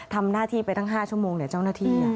ทำหน้าที่ไปตั้ง๕ชั่วโมงเจ้าหน้าที่